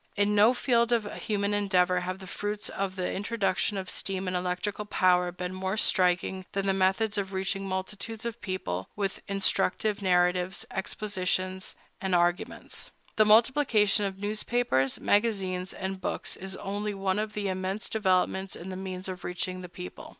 In no field of human endeavor have the fruits of the introduction of steam and electrical power been more striking than in the methods of reaching multitudes of people with instructive narratives, expositions, and arguments. The multiplication of newspapers, magazines, and books is only one of the immense developments in the means of reaching the people.